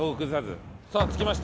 さあ着きました。